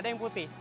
ada yang putih